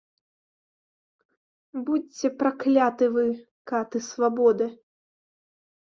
Будзьце пракляты вы, каты свабоды!